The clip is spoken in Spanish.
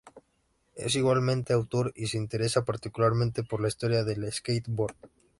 Es igualmente autor y se interesa particularmente por la historia del skate-board.